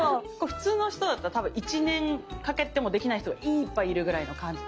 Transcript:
普通の人だったら多分１年かけてもできない人がいっぱいいるぐらいの感じ。